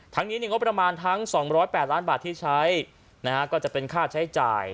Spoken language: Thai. นี้งบประมาณทั้ง๒๐๘ล้านบาทที่ใช้ก็จะเป็นค่าใช้จ่าย